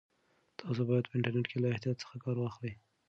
تاسو باید په انټرنیټ کې له احتیاط څخه کار واخلئ.